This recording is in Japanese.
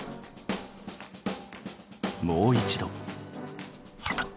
もう一度。